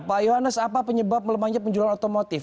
pak yohanes apa penyebab melemahnya penjualan otomotif